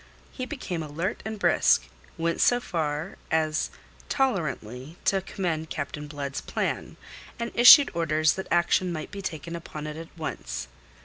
He became alert and brisk, went so far as tolerantly to commend Captain Blood's plan, and issued orders that action might be taken upon it at once.